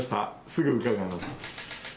すぐ伺います。